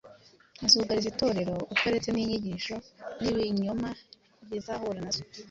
azugariza Itorero utaretse n’inyigisho z’ibinyoma rizahura nazo.